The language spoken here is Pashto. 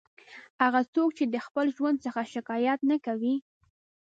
هغه څوک چې د خپل ژوند څخه شکایت نه کوي.